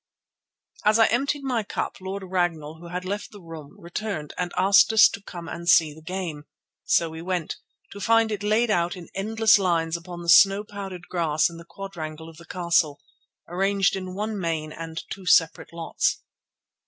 As I emptied my cup Lord Ragnall, who had left the room, returned and asked us to come and see the game. So we went, to find it laid out in endless lines upon the snow powdered grass in the quadrangle of the castle, arranged in one main and two separate lots.